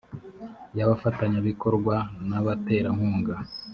y abafatanyabikorwa n abaterankunga